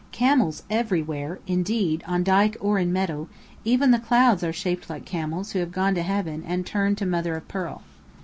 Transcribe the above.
Camels everywhere, indeed, on dyke or in meadow; even the clouds are shaped like camels who have gone to heaven and turned to mother o' pearl.